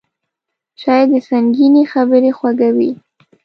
چای د سنګینې خبرې خوږوي